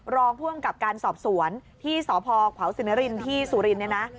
รองผู้อำกับการสอบสวนที่สพขวาวสินรินที่สุรินเนี่ยนะ